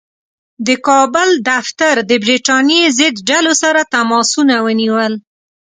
د کابل دفتر د برټانیې ضد ډلو سره تماسونه ونیول.